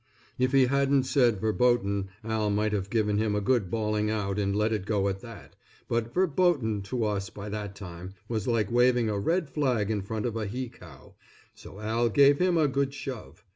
If he hadn't said "verboten," Al might have given him a good bawling out and let it go at that, but "verboten" to us by that time was like waving a red flag in front of a he cow, so Al gave him a good shove.